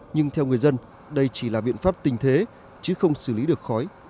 nhưng theo người dân đây chỉ là biện pháp tình thế chứ không xử lý được khói khí thải